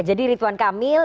jadi ridwan kamil